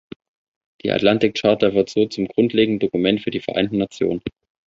Die Atlantik-Charta wird so zum grundlegenden Dokument für die Vereinten Nationen.